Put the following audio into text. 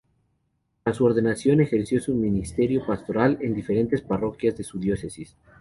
Tras su ordenación, ejerció su ministerio pastoral en diferentes parroquias de su diócesis.